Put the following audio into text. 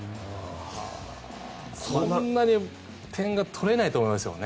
そんなに点が取れないと思いますよ。